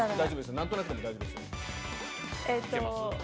何となくでも大丈夫ですよ。